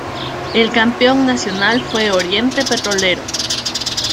El Campeón Nacional fue Oriente Petrolero.